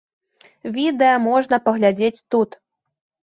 Відэа можна паглядзець тут.